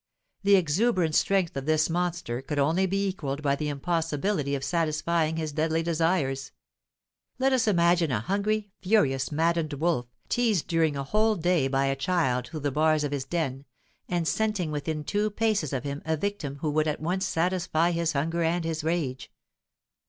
The exuberant strength of this monster could only be equalled by the impossibility of satisfying his deadly desires. Let us imagine a hungry, furious, maddened wolf, teased during a whole day by a child through the bars of his den, and scenting within two paces of him a victim who would at once satisfy his hunger and his rage.